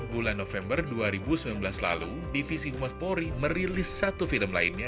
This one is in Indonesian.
bulan november dua ribu sembilan belas lalu divisi humas polri merilis satu film lainnya